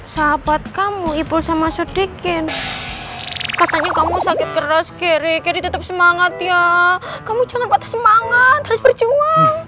sahabat kamu ipul sama sudikin katanya kamu sakit keras keri keri tetep semangat ya kamu jangan patah semangat harus berjuang